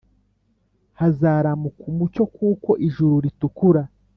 Hazaramuka umucyo kuko ijuru ritukura.